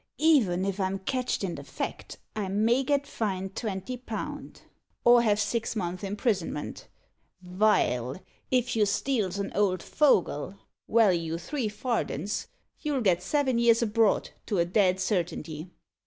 Even if I'm catched i' the fact I may get fined twenty pound, or have six months' imprisonment; vile, if you steals an old fogle, walue three fardens, you'll get seven years abroad, to a dead certainty."